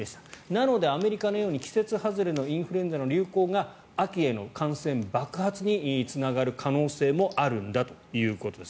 なので、アメリカのように季節外れのインフルエンザの流行が秋への感染爆発につながる可能性もあるんだということです。